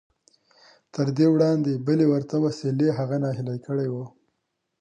تر دې وړاندې بلې ورته وسیلې هغه ناهیلی کړی و